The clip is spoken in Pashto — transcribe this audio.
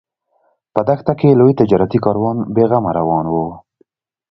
په دښته کې لوی تجارتي کاروان بې غمه روان و.